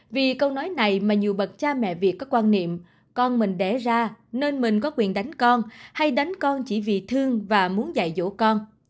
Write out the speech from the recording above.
vì câu nói này mà nhiều bậc cha mẹ việt có quan niệm con mình đẻ ra nên mình có quyền đánh con hay đánh con chỉ vì thương và muốn dạy dỗ con